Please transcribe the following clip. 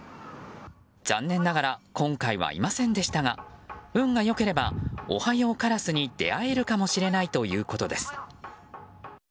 残念ながら今回はいませんでしたが運が良ければオハヨウカラスに出会えるかもしれないということです。